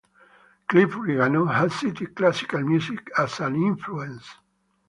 Cliff Rigano has cited classical music as an influence.